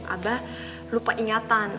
abah lupa ingatan